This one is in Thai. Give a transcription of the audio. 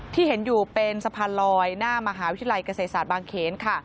ที่เห็นอยู่เป็นสะพานลอยหน้ามหาวิทยาลัยเกษตรศาสตร์บางเขนค่ะ